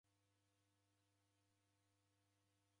Mwana uhu ni mkoo